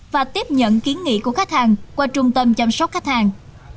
và tiếp nhận kiến nghị của khách hàng qua trung tâm chăm sóc khách hàng